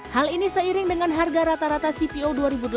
hal ini seiring dengan harga rata rata cpo dua ribu delapan belas